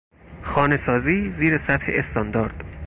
خانه سازی زیر سطح استاندارد